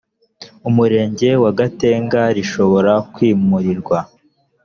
umurenge wa gatenga rishobora kwimurirwa